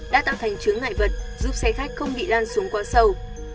đã tạo thành chứa ngại vật giúp xe khách không bị lan xuống quá sâu